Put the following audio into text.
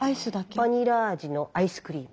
バニラ味のアイスクリーム。